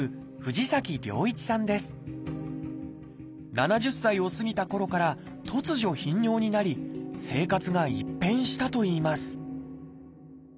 ７０歳を過ぎたころから突如頻尿になり生活が一変したといいます